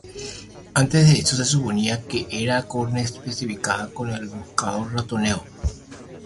Antes de eso, se suponía que era conespecífica con el busardo ratonero.